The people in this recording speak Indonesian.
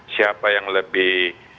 siapa yang lebih